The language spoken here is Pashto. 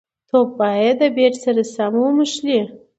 توپ باید د بېټ سره سم وموښلي.